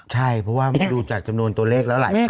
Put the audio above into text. ใช่เพราะว่าดูจากจำนวนบัตรตัวเล็กแล้วหลายพัก